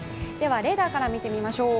レーダーから見てみましょう。